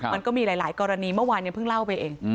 มันก็มีหลายกรณีเมื่อวานยังเพิ่งเล่าไปเอง